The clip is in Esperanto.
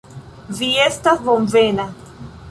Vi estas bonvena.